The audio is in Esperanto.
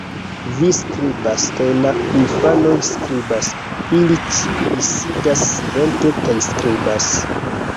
Vi skribas, kaj la infanoj skribas; ili ĉiuj sidas silente kaj skribas.